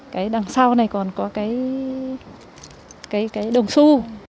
cái đằng sau này còn có cái cái cái đồng xu